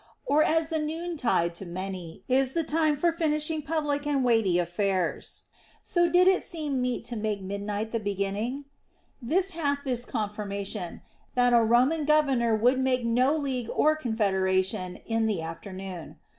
Or as the noontide to many is the time for finishing public and weighty affairs, so did it seem meet to make midnight the beginning \ This hath this confirmation, that a Roman governor would make no league or confederation in the afternoon.